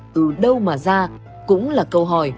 từ đâu mà ra cũng là câu hỏi